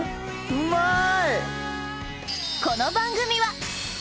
うまい！